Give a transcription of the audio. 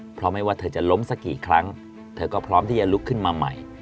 เพราะไม่ว่าเธอจะล้มสักกี่ครั้งเธอก็พร้อมที่จะลุกขึ้นมาใหม่